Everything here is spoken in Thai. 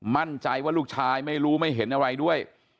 มั่นใจว่าลูกชายไม่รู้ไม่เห็นอะไรด้วย